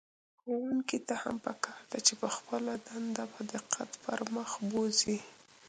ښوونکي ته هم په کار ده چې خپله دنده په دقت پر مخ بوځي.